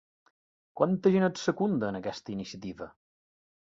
Quanta gent et secunda en aquesta iniciativa?